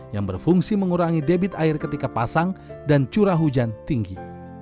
yang berfungsi mengurangi debit air ketika pasang dan curah hujan tinggi